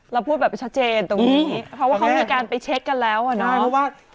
พูดแบบชัดเจนตรงนี้เพราะว่าเขามีการไปเช็คกันแล้วอ่ะเนาะ